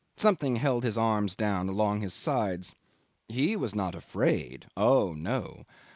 Something held his arms down along his sides. He was not afraid oh no!